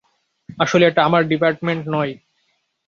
আসলে, এটা আমার ডিপার্টমেন্ট নই।